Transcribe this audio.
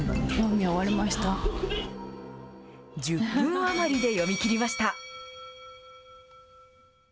１０分余りで読み切りました。